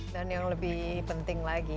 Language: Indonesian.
dan yang lebih penting lagi